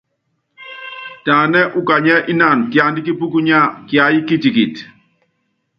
Taní ukanyiɛ́ ínanɔ kiandá kípúkunya kiáyí kitikiti.